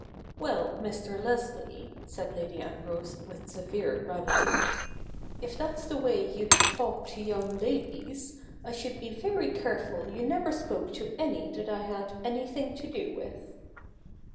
' Well, Mr. Leslie,' said Lady Ambrose with severe gravity, ' if that's the way you'd talk to young ladies, I should be very careful you never spoke to any that I had anything to do with.'